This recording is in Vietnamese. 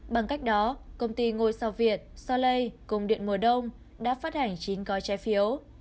bằng cách đó công ty ngôi sao việt soleil cùng điện mùa đông đã phát hành chín gói trái phiếu